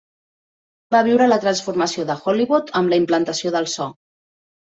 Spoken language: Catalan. Va viure la transformació de Hollywood amb la implantació del so.